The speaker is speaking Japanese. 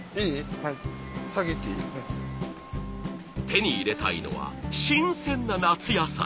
手に入れたいのは新鮮な夏野菜。